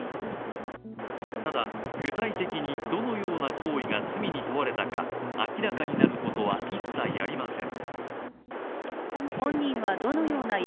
ただ具体的に、どのような行為が罪に問われたか明らかになることは一切ありません。